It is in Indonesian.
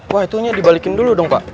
wah itunya dibalikin dulu dong pak